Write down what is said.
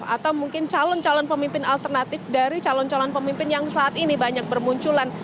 atau mungkin calon calon pemimpin alternatif dari calon calon pemimpin yang saat ini banyak bermunculan